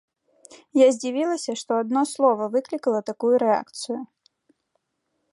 Я здзівілася, што адно слова выклікала такую рэакцыю.